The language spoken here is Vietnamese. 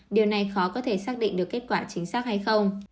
điều này khó có thể xác định được kết quả chính xác hay không